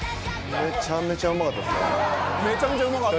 めちゃめちゃうまかった。